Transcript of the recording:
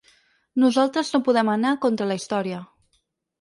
Nosaltres no podem anar contra la història.